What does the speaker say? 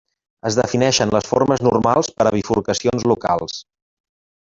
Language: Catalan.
Es defineixen les formes normals per a bifurcacions locals.